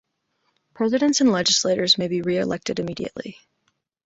Presidents and legislators may be re-elected immediately.